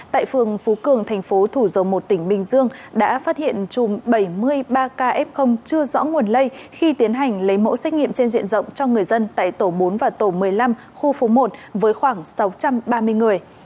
tại phường phú cường thành phố thủ dầu một tỉnh bình dương đã phát hiện chùm bảy mươi ba k chưa rõ nguồn lây khi tiến hành lấy mẫu xét nghiệm trên diện rộng cho người dân tại tổ bốn và tổ một mươi năm khu phố một với khoảng sáu trăm ba mươi người